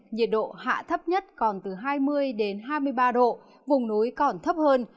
nhiệt độ hạ thấp nhất còn từ hai mươi hai mươi ba độ vùng núi còn thấp hơn